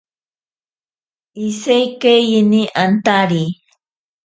Iseikaeyeni antari.